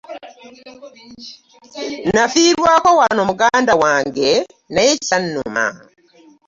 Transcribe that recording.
Nafiirwako wano muganda wange naye kyannuma.